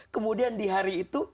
kemudian di hari itu